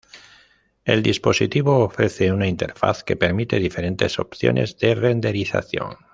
El dispositivo ofrece una interfaz que permite diferentes opciones de renderización.